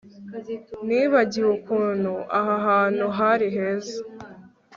Nibagiwe ukuntu aha hantu hari heza